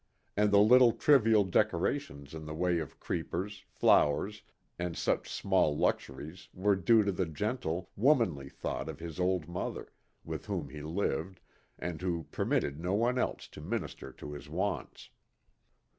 And the little trivial decorations in the way of creepers, flowers, and such small luxuries were due to the gentle, womanly thought of his old mother, with whom he lived, and who permitted no one else to minister to his wants.